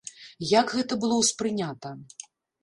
Як гэта было ўспрынята?